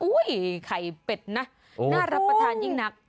ไข่เป็ดนะน่ารับประทานยิ่งนัก